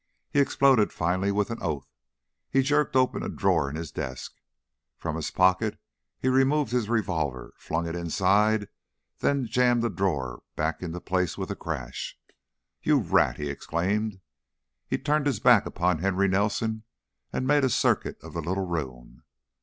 He exploded, finally, with an oath; he jerked open a drawer in his desk. From his pocket he removed his revolver, flung it inside, then jammed the drawer back into place with a crash. "You rat!" he exclaimed. He turned his back upon Henry Nelson and made a circuit of the little room.